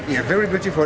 ya sangat menakjubkan